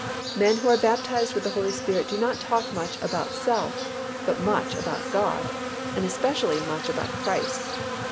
Men who are baptized with the Holy Spirit do not talk much about self but much about God, and especially much about Christ.